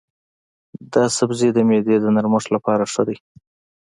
دا سبزی د معدې د نرمښت لپاره ښه دی.